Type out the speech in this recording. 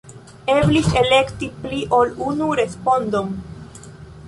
Eblis elekti pli ol unu respondon.